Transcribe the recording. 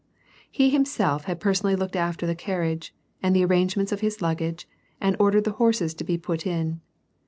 He himself had l)ersonally looked after the carriage, and the arrangement of his luggage, and ordered the horses to be put in.